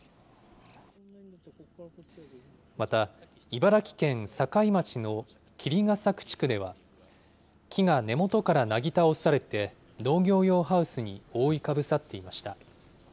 また、茨城県境町のきりがさく地区では、木が根元からなぎ倒されて、農業用ハウスに覆いかぶさっていました。